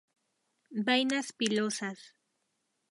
Vainas pilosas.